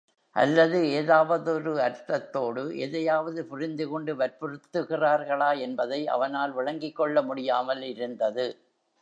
அல்லது ஏதாவதொரு அர்த்தத்தோடு எதையாவது புரிந்துகொண்டு வற்புறுத்துகிறார்களா என்பதை அவனால் விளங்கிக் கொள்ள முடியாமல் இருந்தது.